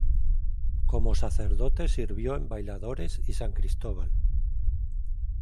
Como sacerdote sirvió en Bailadores y San Cristóbal.